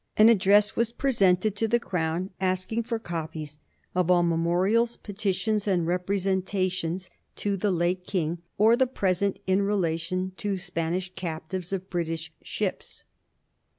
An address was presented to the Crown, asking for copies of all memorials, petitions, and representations to the late King or the present, in relation to Spanish captures of British ships.